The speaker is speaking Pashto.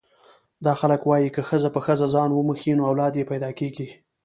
دا خلک وايي که ښځه په ښځه ځان وموښي نو اولاد یې پیدا کېږي.